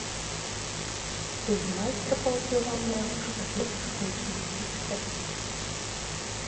Стыль майстра паўплываў на яго шматлікіх вучняў і паслядоўнікаў.